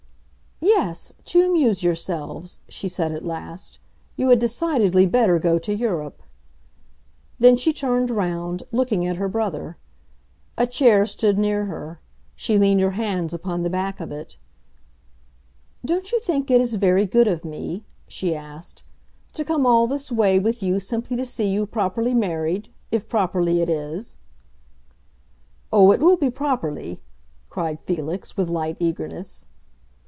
"Yes, to amuse yourselves," she said at last, "you had decidedly better go to Europe!" Then she turned round, looking at her brother. A chair stood near her; she leaned her hands upon the back of it. "Don't you think it is very good of me," she asked, "to come all this way with you simply to see you properly married—if properly it is?" "Oh, it will be properly!" cried Felix, with light eagerness.